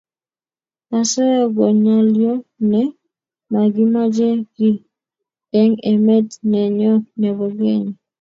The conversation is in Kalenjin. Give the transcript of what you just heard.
asoya ko ngalyo ne makimache keyai eng emet nenyo nebo kenya